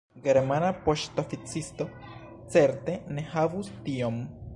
Germana poŝtoficisto certe ne havus tiom.